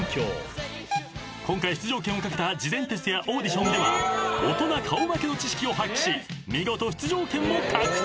［今回出場権をかけた事前テストやオーディションでは大人顔負けの知識を発揮し見事出場権を獲得］